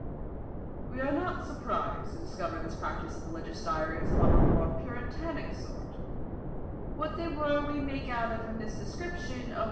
We are not surprised to discover this practice of religious diaries among the more puritanic sort: what they were we may gather from this description of one.